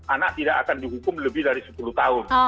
anak tidak akan dihukum lebih dari sepuluh tahun